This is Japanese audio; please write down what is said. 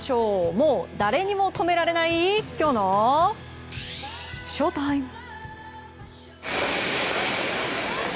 もう誰にも止められないきょうのＳＨＯＴＩＭＥ。